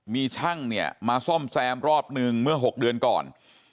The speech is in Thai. มีช่างเนี่ยมาซ่อมแซมรอบหนึ่งเมื่อ๖เดือนก่อน